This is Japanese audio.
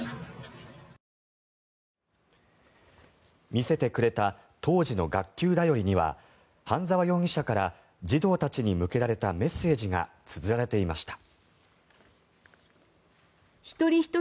見せてくれた当時の学級便りには半澤容疑者から児童たちに向けられたメッセージがつづられていました。